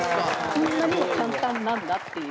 こんなに簡単なんだっていう。